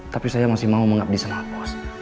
tapi saya masih mau mengabdi sana bos